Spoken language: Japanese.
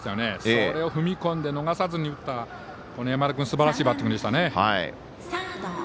それを踏み込んで逃さずに打った山田君すばらしいバッティングでしたね。